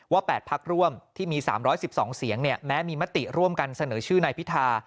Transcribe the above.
๘พักร่วมที่มี๓๑๒เสียงแม้มีมติร่วมกันเสนอชื่อนายพิธา